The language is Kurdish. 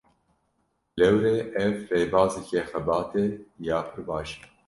Lewre ev, rêbazeke xebatê ya pir baş e